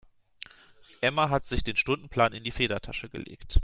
Emma hat sich den Stundenplan in die Federtasche gelegt.